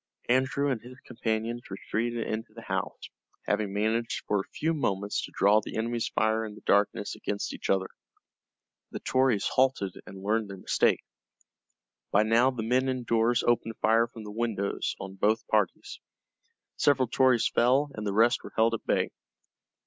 Andrew and his companions retreated into the house, having managed for a few moments to draw the enemy's fire in the darkness against each other. The Tories halted and learned their mistake. By now the men indoors opened fire from the windows on both parties. Several Tories fell, and the rest were held at bay.